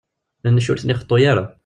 Nnec ur ten-ixeṭṭu ara.